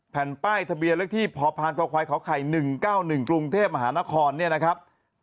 แผ่นป้ายทะเบียนเลขที่พพคขอไข่๑๙๑กรุงเทพมหานครเนี่ยนะครับ